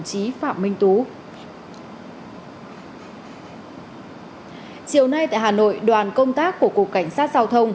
chiều nay tại hà nội đoàn công tác của cục cảnh sát giao thông